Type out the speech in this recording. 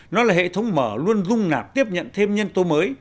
nó là hệ thống mở luôn dung nạp tiếp nhận thêm nhân tố mới